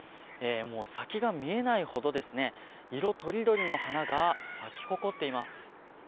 もう先が見えないほど色とりどりの花が咲き誇っています。